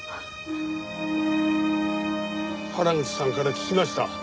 原口さんから聞きました。